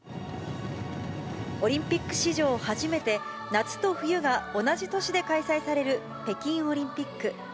オリンピック史上初めて、夏と冬が同じ都市で開催される北京オリンピック。